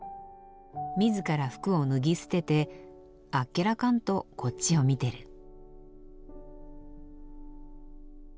自ら服を脱ぎ捨ててあっけらかんとこっちを見てる。